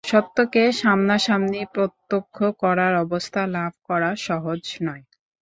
সত্যকে সামনাসামনি প্রত্যক্ষ করার অবস্থা লাভ করা সহজ নয়।